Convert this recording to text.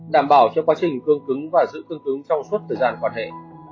đảm bảo cho quá trình cương cứng và giữ cương cứng trong suốt thời gian quan hệ